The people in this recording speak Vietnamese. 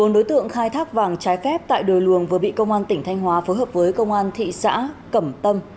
bốn đối tượng khai thác vàng trái phép tại đồi luồng vừa bị công an tỉnh thanh hóa phối hợp với công an thị xã cẩm tâm